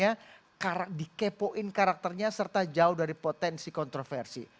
latar belakangnya dikepoin karakternya serta jauh dari potensi kontroversi